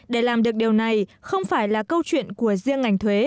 để làm được điều này không phải là câu chuyện của riêng ngành thuế